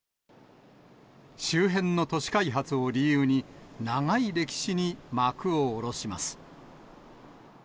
周辺の土地開発を理由に、長い歴史に幕を下ろします。